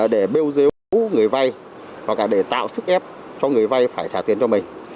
để bêu dếu người vay hoặc là để tạo sức ép cho người vay phải trả tiền cho mình